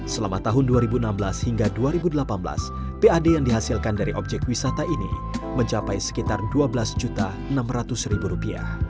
selama tahun dua ribu enam belas hingga dua ribu delapan belas pad yang dihasilkan dari objek wisata ini mencapai sekitar rp dua belas enam ratus